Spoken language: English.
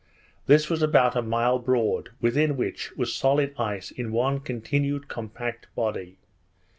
This was about a mile broad, within which, was solid ice in one continued compact body.